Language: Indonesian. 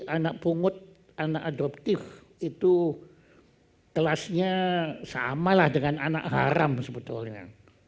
anak pungut anak adoptif itu kelasnya samalah dengan anak haram sebetulnya